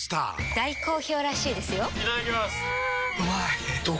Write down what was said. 大好評らしいですよんうまい！